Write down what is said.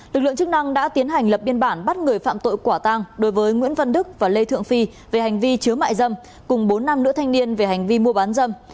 lực lượng chức năng đã tiến hành lập biên bản bắt người phạm tội quả tang đối với nguyễn văn đức và lê thượng phi về hành vi chứa mại dâm cùng bốn nam nữ thanh niên về hành vi mua bán dâm